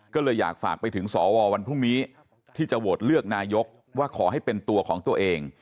ก็เลยอยากฝากไปถึงสววันพรุ่งนี้ที่จะโหวตเลือกนายกว่าขอให้เป็นตัวของตัวเอง